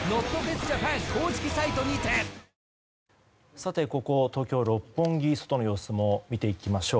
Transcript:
さて、ここ東京・六本木外の様子も見ていきましょう。